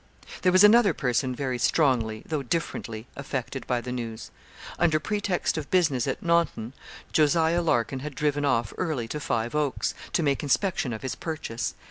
There was another person very strongly, though differently, affected by the news. Under pretext of business at Naunton, Jos. Larkin had driven off early to Five Oaks, to make inspection of his purchase.